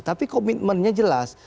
tapi komitmennya jelas